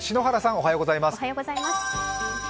おはようございます